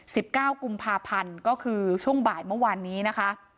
สิบเก้ากุมภาพันธ์ก็คือช่วงบ่ายเมื่อวานนี้นะคะ